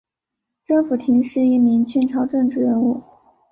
甄辅廷是一名清朝政治人物。